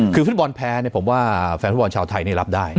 คือฝึกบอลแพ้เนี่ยผมว่าแฟนฝึกบอลชาวไทยเนี่ยรับได้